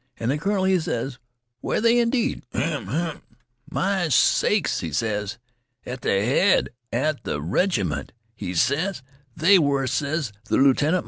An' th' colonel, he ses: 'Were they, indeed? Ahem! ahem! My sakes!' he ses. 'At th' head 'a th' reg'ment?' he ses. 'They were,' ses th' lieutenant.